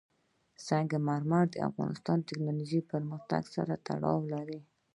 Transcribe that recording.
سنگ مرمر د افغانستان د تکنالوژۍ پرمختګ سره تړاو لري.